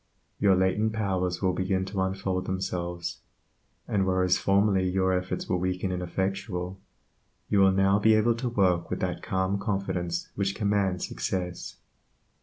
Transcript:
Your latent powers will begin to unfold themselves, and whereas formerly your efforts were weak and ineffectual, you will now be able to work with that calm confidence which commands success.